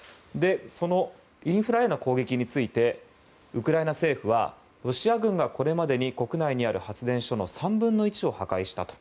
そのインフラへの攻撃についてウクライナ政府はロシア軍がこれまでに国内にある発電所の３分の１を破壊したと。